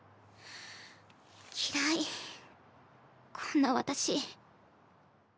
嫌いこんな私。